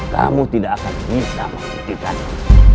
kamu tidak akan bisa membuktikanmu